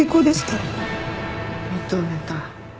認めた。